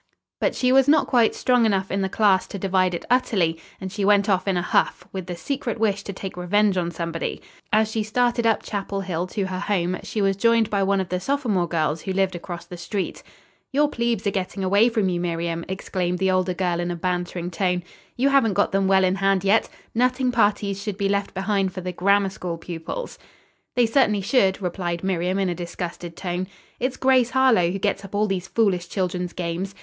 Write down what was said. But she was not quite strong enough in the class to divide it utterly, and she went off in a huff, with the secret wish to take revenge on somebody. As she started up Chapel Hill to her home she was joined by one of the sophomore girls, who lived across the street. "Your plebes are getting away from you, Miriam," exclaimed the older girl in a bantering tone. "You haven't got them well in hand yet. Nutting parties should be left behind for the Grammar School pupils." "They certainly should," replied Miriam in a disgusted tone. "It's Grace Harlowe who gets up all these foolish children's games.